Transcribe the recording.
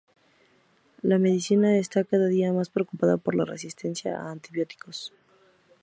La medicina está cada día más preocupada por la resistencia a antibióticos.